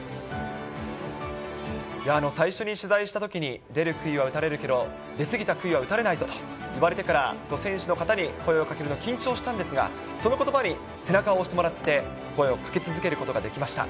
最初に取材したときに、出るくいは打たれるけど、出過ぎたくいは打たれないぞと言われてから、選手の方に声をかけるの緊張したんですが、そのことばに背中を押してもらって、声をかけ続けることができました。